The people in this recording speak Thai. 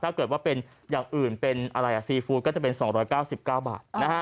ถ้าเกิดว่าเป็นอย่างอื่นเป็นอะไรซีฟู้ดก็จะเป็น๒๙๙บาท